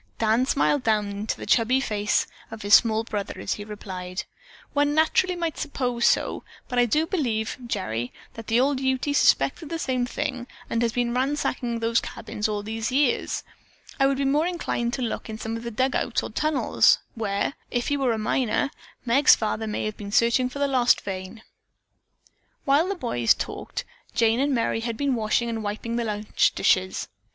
Dan smiled down into the chubby freckled face of his small brother as he replied: "One naturally might suppose so, but I do believe, Gerry, that the old Ute suspected the same thing and has been ransacking those cabins all these years. I would be more inclined to look in some of the dug outs or tunnels where, if he were a miner, Meg's father may have been searching for the lost vein." While the boys talked Jane and Merry had been washing and wiping the lunch dishes.